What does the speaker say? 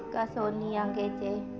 kak soni yang kece